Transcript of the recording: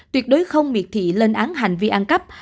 tuyệt đối không miệt thị lên án hành vi ăn cắp